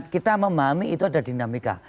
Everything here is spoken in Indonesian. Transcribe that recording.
kita memahami itu ada dinamika